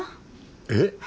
えっ？